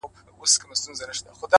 داسي نه كيږي چي اوونـــۍ كې گـــورم ـ